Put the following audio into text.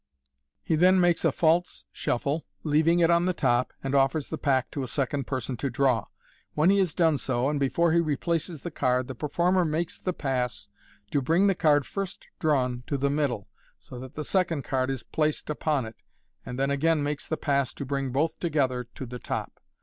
He then makes a false shuffle, leaving it on the top, and offers the pack to a second person to draw. When he has done so, and before he replaces the card, the performer makes the pass to bring the card first drawn to the middle, so that the second card is placed upon it, and then again makes the pass to bring both together to the top.